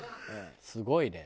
すごいね。